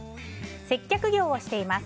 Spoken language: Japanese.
接客業をしています。